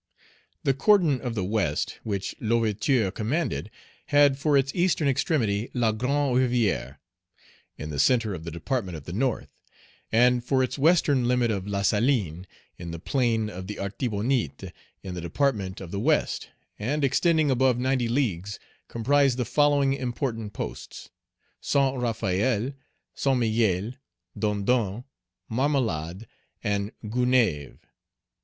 The cordon of the West, which L'Ouverture commanded, had for its eastern extremity La Grande Rivière, in the centre of the Department of the North, and for its western limit La Saline, in the plain of the Artibonite, in the Department of the Page 82 West, and, extending above ninety leagues, comprised the following important posts: Saint Raphael, Saint Miguel, Dondon, Marmelade, and Gonaïves.